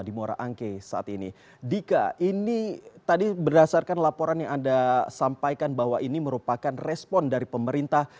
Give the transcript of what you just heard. dika ini tadi berdasarkan laporan yang anda sampaikan bahwa ini merupakan respon dari pemerintah